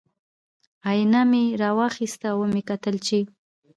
ائینه مې را واخیسته او ومې کتل چې